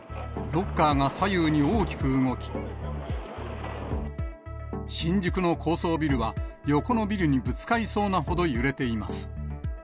ロッカーが左右に大きく動き、新宿の高層ビルは、横のビルにぶつかりそうなほど揺れています。